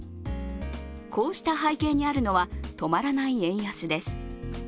こうした背景にあるのは、止まらない円安です。